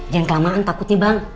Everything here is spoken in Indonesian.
jangan kelamaan takutnya bang